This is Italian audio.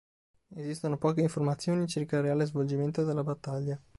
Esistono poche informazioni circa il reale svolgimento della battaglia.